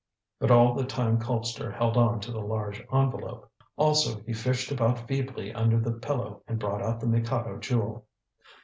But all the time Colpster held on to the large envelope. Also, he fished about feebly under the pillow and brought out the Mikado Jewel.